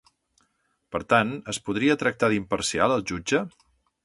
Per tant, es podria tractar d'imparcial el jutge?